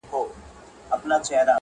له خوب چي پاڅي، توره تياره وي_